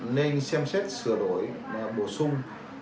nên xem xét sửa đổi bổ sung